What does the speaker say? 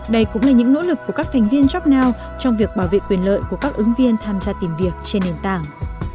đây cũng là những nỗ lực của các thành viên jobnow trong việc bảo vệ quyền lợi của các ứng viên tham gia tìm việc trên nền tảng